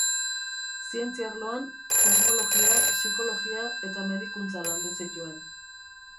Zientzia arloan, kosmologia, psikologia eta medikuntza landu zituen.